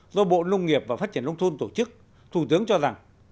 do bộ nông nghiệp và phát triển nông thôn tổ chức thủ tướng cho rằng